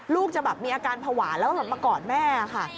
ลูกจะแบบมีอาการภาวะแล้วก็มากอดแม่ค่ะ